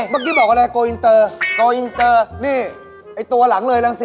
เมื่อกี้บอกอะไร